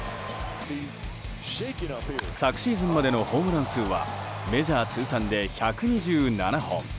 昨シーズンまでのホームラン数はメジャー通算で１２７本。